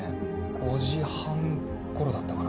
５時半頃だったかな。